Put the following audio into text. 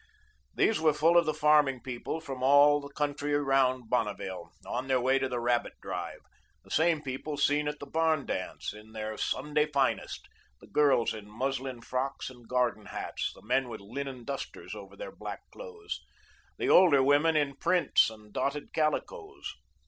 These were full of the farming people from all the country round about Bonneville, on their way to the rabbit drive the same people seen at the barn dance in their Sunday finest, the girls in muslin frocks and garden hats, the men with linen dusters over their black clothes; the older women in prints and dotted calicoes.